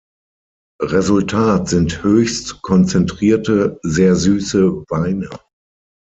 Resultat sind höchst konzentrierte, sehr süße Weine.